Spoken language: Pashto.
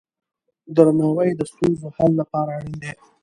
درناوی د ستونزو حل لپاره اړین دی.